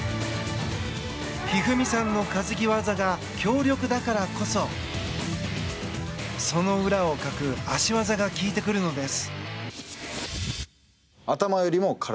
一二三さんの担ぎ技が強力だからこそその裏をかく足技が効いてくるのです。